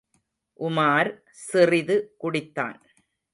உமார் சிறிது குடித்தான்.